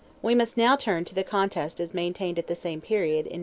We must now turn to the contest as maintained at the same period in Meath and Ulster.